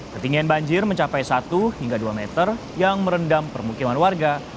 ketinggian banjir mencapai satu hingga dua meter yang merendam permukiman warga